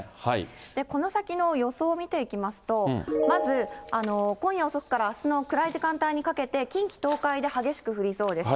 この先の予想を見ていきますと、まず今夜遅くからあすの暗い時間帯にかけて、近畿、東海で激しく降りそうです。